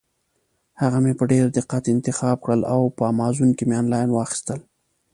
هغه مې په ډېر دقت انتخاب کړل او په امازان کې مې انلاین واخیستل.